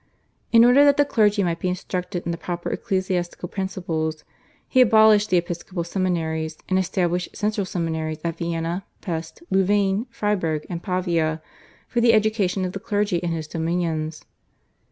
In order that the clergy might be instructed in the proper ecclesiastical principles, he abolished the episcopal seminaries, and established central seminaries at Vienna, Pest, Louvain, Freiburg, and Pavia for the education of the clergy in his dominions.